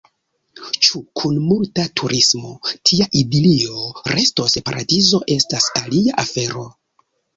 Ĉu kun multa turismo tia idilio restos paradizo, estas alia afero.